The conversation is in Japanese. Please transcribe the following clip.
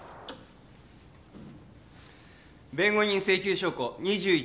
弁護人請求証拠２１